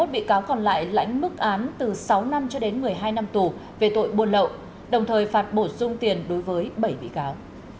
hai mươi một bị cáo còn lại lãnh mức án từ sáu năm cho đến một mươi hai năm tù về tội buôn lậu đồng thời phạt bổ sung tiền đối với bảy bị cáo